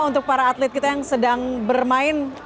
untuk para atlet kita yang sedang bermain